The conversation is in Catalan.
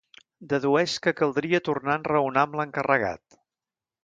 Dedueix que caldria tornar a enraonar amb l'encarregat.